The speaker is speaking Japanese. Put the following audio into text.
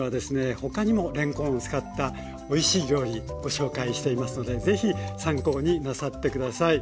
他にもれんこんを使ったおいしい料理ご紹介していますので是非参考になさって下さい。